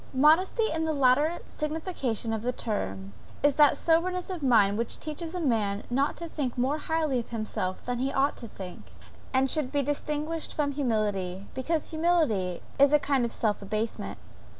Modesty in the latter signification of the term, is that soberness of mind which teaches a man not to think more highly of himself than he ought to think, and should be distinguished from humility, because humility is a kind of self abasement.